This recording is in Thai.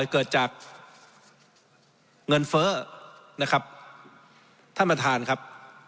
เกิดจากเงินเฟ้อนะครับท่านประธานครับ